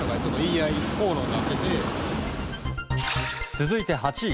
続いて８位。